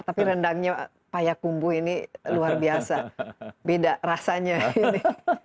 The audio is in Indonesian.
tapi rendangnya payakumbu ini luar biasa beda rasanya ini